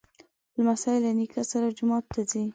لمسی له نیکه سره جومات ته ځي.